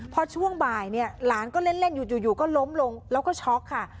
พอช่วงบ่ายเนี่ยหลานก็เล่นอยู่ก็ล้มลงแล้วก็ช็อกค่ะ